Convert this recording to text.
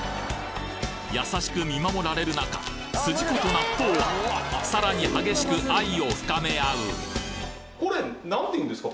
優しく見守られる中すじこと納豆はさらに激しく愛を深め合うこれ何て言うんですか？